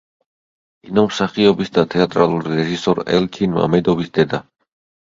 კინომსახიობის და თეატრალური რეჟისორ ელჩინ მამედოვის დედა.